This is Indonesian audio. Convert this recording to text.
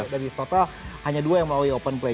dari total hanya dua yang melalui open play